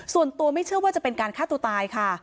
ส่วนตัวไม่เชื่อว่าจะเป็นการฆ่าตัวตายค่ะ